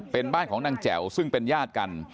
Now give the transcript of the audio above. เป็นบ้านของนางแจ๋วซึ่งเป็นญาติกัน